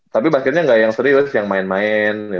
tapi basketnya ga yang serius yang main main gitu